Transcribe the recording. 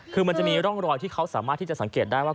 คือมันจะมีร่องรอยที่เขาสามารถที่จะสังเกตได้ว่า